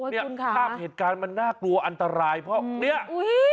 เนี่ยภาพเหตุการณ์มันน่ากลัวอันตรายเพราะเนี่ยอุ้ย